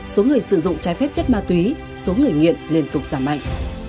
số người sử dụng trái phép chất ma túy số người nghiện liên tục giảm mạnh